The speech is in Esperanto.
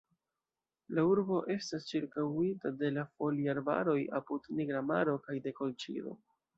La urbo estas ĉirkaŭita de la Foliarbaroj apud Nigra Maro kaj de Kolĉido.